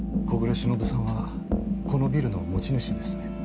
小暮しのぶさんはこのビルの持ち主ですね？